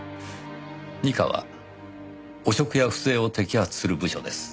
二課は汚職や不正を摘発する部署です。